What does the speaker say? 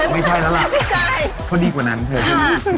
ไม่ใช่แล้วหรอเพราะดีกว่านั้นเธอใช่มั้ย